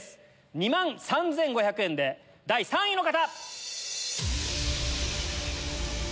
２万３５００円で第３位の方！